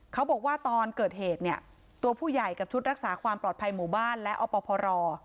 เขาบอกว่าตอนเกิดเหตุเนี่ยตัวผู้ใหญ่กับชุดรักษาความปลอดภัยหมู่บ้านและอพร